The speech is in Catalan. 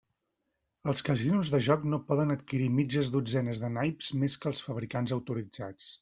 Els casinos de joc no poden adquirir mitges dotzenes de naips més que als fabricants autoritzats.